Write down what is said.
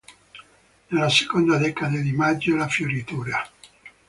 Nella seconda decade di maggio la fioritura.